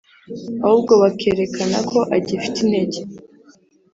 ahubwo bakerekana ko agifite intege